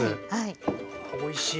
おいしい。